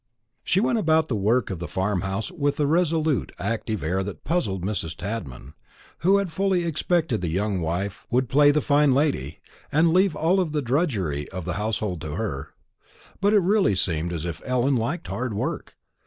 She went about the work of the farm house with a resolute active air that puzzled Mrs. Tadman, who had fully expected the young wife would play the fine lady, and leave all the drudgery of the household to her. But it really seemed as if Ellen liked hard work.